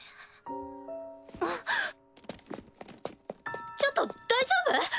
ア！ちょっと大丈夫？